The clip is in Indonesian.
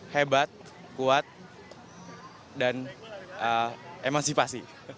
hebat kuat dan emansipasi